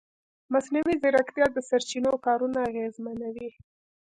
مصنوعي ځیرکتیا د سرچینو کارونه اغېزمنوي.